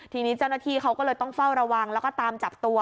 ทีนี้เจ้าหน้าที่เขาก็เลยต้องเฝ้าระวังแล้วก็ตามจับตัว